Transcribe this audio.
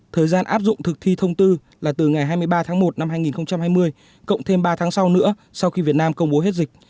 thời gian áp dụng thực thi thông tư là từ ngày hai mươi ba tháng một năm hai nghìn hai mươi cộng thêm ba tháng sau nữa sau khi việt nam công bố hết dịch